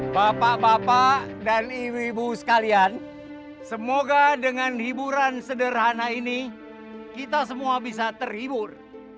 bapak bapak dan ibu ibu sekalian semoga dengan hiburan sederhana ini kita semua bisa terhibur